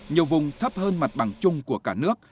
nhiều vùng thấp hơn mặt bằng chung của cả nước